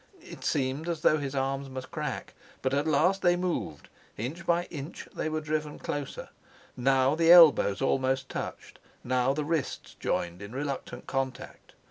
It seemed as though his arms must crack; but at last they moved. Inch by inch they were driven closer; now the elbows almost touched; now the wrists joined in reluctant contact.